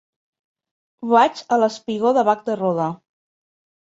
Vaig al espigó de Bac de Roda.